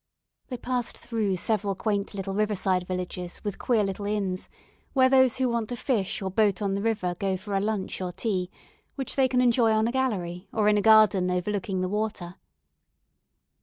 They passed through several quaint little riverside villages with queer little inns, where those who want to fish or boat on the river go for a lunch or tea, which they can enjoy on a gallery, or in a garden overlooking the water.